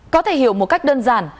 có thể hiểu một cách đơn giản